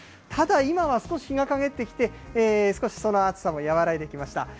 ただ、今は少し日がかげってきて、少しその暑さも和らいできました。